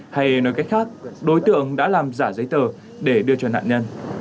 hay nói cách khác đối tượng đã làm giả giấy tờ để đưa cho nạn nhân